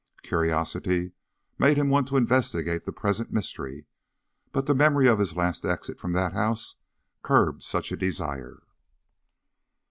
Curiosity made him want to investigate the present mystery. But the memory of his last exit from that house curbed such a desire.